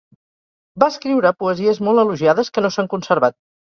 Va escriure poesies molt elogiades que no s'han conservat.